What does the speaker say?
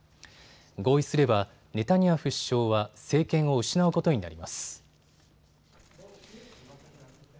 合意すればネタニヤフ首相は政権を失うことになります。